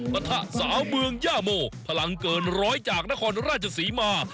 มาถะสาวเมืองย่าโมพลังเกิน๑๐๐จากนครราชสีมา